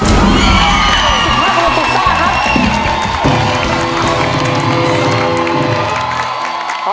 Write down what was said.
สุภาพลูซุซ่าครับ